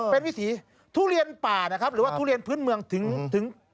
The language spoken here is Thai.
เป็นวิถีทุเรียนป่านะครับหรือว่าทุเรียนพื้นเมืองถึง